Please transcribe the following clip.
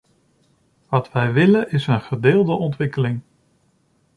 Wat wij willen is een gedeelde ontwikkeling.